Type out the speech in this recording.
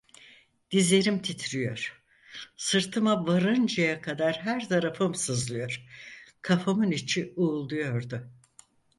Dizlerim titriyor, sırtıma varıncaya kadar her tarafım sızlıyor, kafamın içi uğulduyordu.